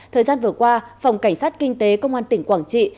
thời gian vừa qua phòng cảnh sát kinh tế công an tỉnh quảng trị